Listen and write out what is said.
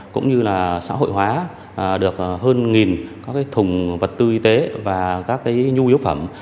cũng như xã hội hóa được hơn nghìn thùng vật tư y tế và nhu yếu phẩm